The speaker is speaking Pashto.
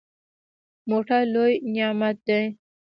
موټر لوی نعمت دی.